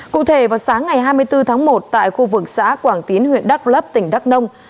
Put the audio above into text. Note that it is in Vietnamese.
cụ thể vào sáng ngày hai mươi bốn tháng một tại khu vực xã quảng tín huyện đắk lấp tỉnh đắk nông